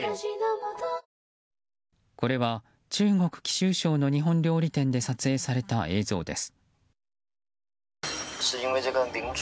これは中国・貴州省の日本料理店で撮影された映像です。